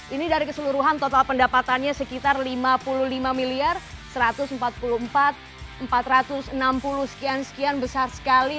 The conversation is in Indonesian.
ini dari keseluruhan total pendapatannya sekitar lima puluh lima miliar satu ratus empat puluh empat empat ratus enam puluh sekian sekian besar sekali